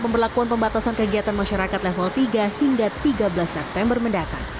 pemberlakuan pembatasan kegiatan masyarakat level tiga hingga tiga belas september mendatang